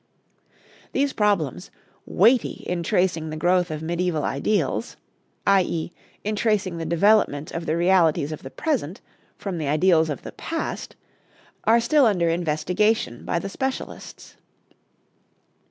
These problems, weighty in tracing the growth of mediæval ideals, i.e., in tracing the development of the realities of the present from the ideals of the past, are still under investigation by the specialists.